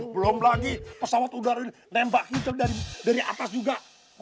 belum lagi pesawat udara ini nembak gitu dari atas juga